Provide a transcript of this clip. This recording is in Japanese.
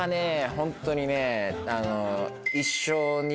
ホントにね。